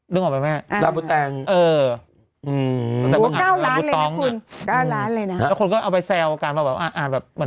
นึกออกไหม